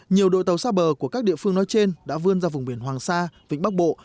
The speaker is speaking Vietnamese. nhiều đội tàu xa bờ của các địa phương nói trên đã vươn ra vùng biển hoàng sa vĩnh bắc bộ